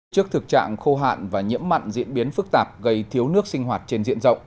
trước thực trạng khô hạn và nhiễm mặn diễn biến phức tạp gây thiếu nước sinh hoạt trên diện rộng